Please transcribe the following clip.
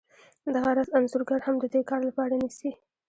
دغه راز انځورګر هم د دې کار لپاره نیسي